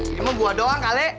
ini mah buah doang kali